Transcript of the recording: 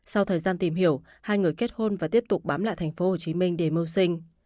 sau thời gian tìm hiểu hai người kết hôn và tiếp tục bám lại thành phố hồ chí minh để mưu sinh